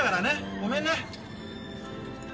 ごめんね。